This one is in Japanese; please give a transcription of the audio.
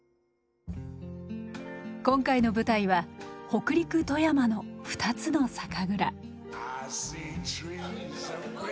今回の舞台は北陸・富山の２つの酒蔵。